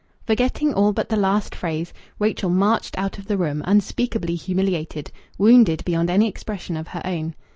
Forgetting all but the last phrase, Rachel marched out of the room, unspeakably humiliated, wounded beyond any expression of her own.